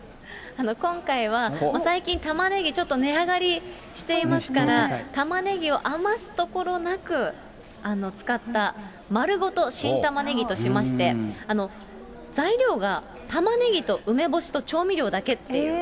今回は最近、タマネギちょっと値上がりしていますから、タマネギを余すところなく使った、丸ごと新玉ねぎとしまして、材料がタマネギと梅干しと調味料だけっていう。